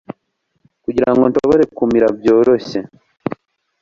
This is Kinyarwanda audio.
Kugirango nshobore kumira byoroshye